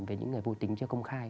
với những người vô tính chưa công khai